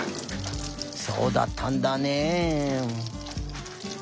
そうだったんだね。